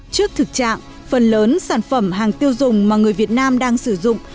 trước thực trạng phần lớn sản phẩm hàng tiêu dùng mà người việt nam đang sử dụng